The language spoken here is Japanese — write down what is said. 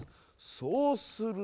そうするとほら！